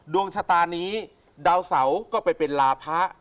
ดวงชะตานี้ดาวเสาก็ไปเป็นลาพะ